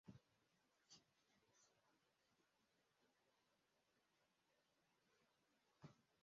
Upande wa kusini kuna pwani na Pasifiki.